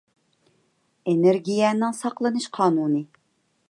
ئېنېرگىيەنىڭ ساقلىنىش قانۇنى